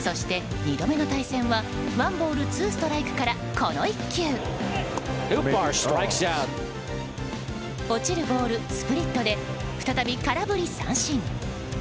そして２度目の対戦はワンボールツーストライクからこの１球。落ちるボール、スプリットで再び空振り三振。